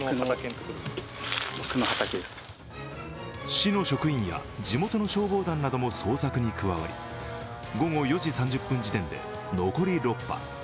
市の職員や地元の消防団なども捜索に加わり午後４時３０分時点で残り６羽。